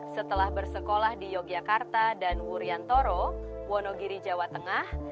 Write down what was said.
setelah bersekolah di yogyakarta dan wuryantoro wonogiri jawa tengah